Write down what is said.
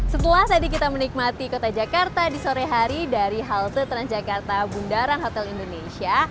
setelah tadi kita menikmati kota jakarta di sore hari dari halte transjakarta bundaran hotel indonesia